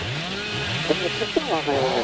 でもそっちはわかりません。